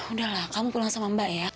udah lah kamu pulang sama mbak ya